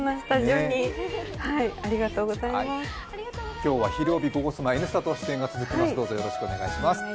今日は、「ひるおび」、「ゴゴスマ」、「Ｎスタ」と出演が続きます。